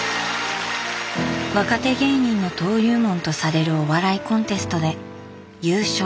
「若手芸人の登竜門」とされるお笑いコンテストで優勝。